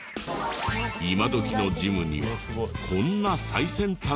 今どきのジムにはこんな最先端の設備が。